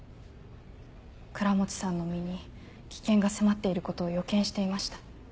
倉持さんの身に危険が迫っていることを予見していました。